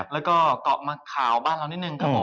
แล้วก็กลับมาข่าวบ้านเรานิดนึงค่ะผม